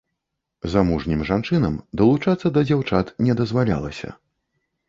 Замужнім жанчынам далучацца да дзяўчат не дазвалялася.